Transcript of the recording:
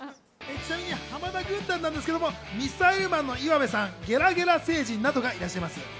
ちなみに浜田軍団なんですけど、ミサイルマンの岩部さん、ゲラゲラ星人などがいらっしゃいます。